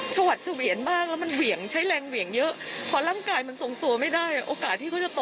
ชวัดเฉวียนมากแล้วมันเหวี่ยงใช้แรงเหวี่ยงเยอะพอร่างกายมันทรงตัวไม่ได้โอกาสที่เขาจะโต